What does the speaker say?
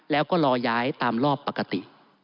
แล้วก็รอย้ายตามรอบปกติ